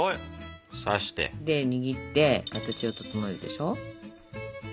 で握って形を整えるでしょ。